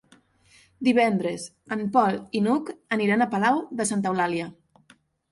Divendres en Pol i n'Hug aniran a Palau de Santa Eulàlia.